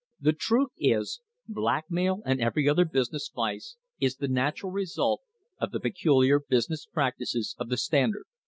The truth is, blackmail and every other business vice is the natural result of the peculiar business practices of the Stand ard.